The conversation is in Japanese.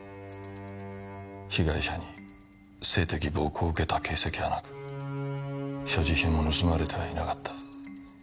被害者に性的暴行を受けた形跡はなく所持品も盗まれてはいなかった。